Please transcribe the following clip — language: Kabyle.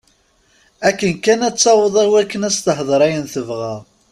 Akken kan ad taweḍ iwakken ad as-d-tehder ayen tebɣa.